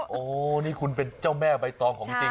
โหคุณเป็นเจ้าแม่ใบตองของจริงเลยนะครับ